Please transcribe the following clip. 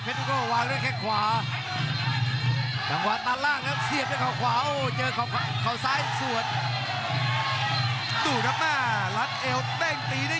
เผ็ดวิโกวางด้วยแค่ขวา